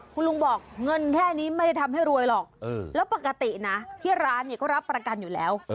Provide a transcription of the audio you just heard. คุณลุงบอกเงินแค่นี้ไม่ได้ทำให้รวยหรอกแล้วปกตินะที่ร้านเนี่ยก็รับประกันอยู่แล้ว